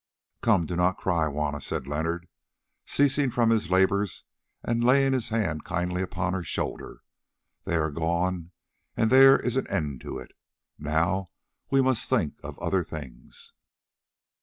"Come, do not cry, Juanna," said Leonard, ceasing from his labours and laying his hand kindly upon her shoulder, "they are gone and there is an end of it. Now we must think of other things."